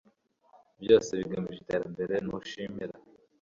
byose bigamije iterambere! ntushimira